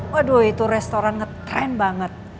waduh itu restoran ngetrend banget